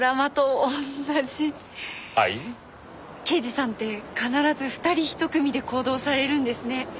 刑事さんって必ず二人一組で行動されるんですね。